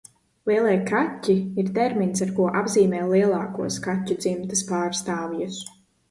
Lielie kaķi ir termins, ar ko apzīmē lielākos kaķu dzimtas pārstāvjus.